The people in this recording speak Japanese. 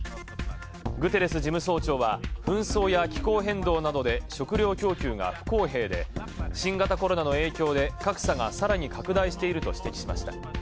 グテレス事務総長は紛争や気候変動など食糧供給が不公平で新型コロナの影響で格差が更に拡大していると指摘しました。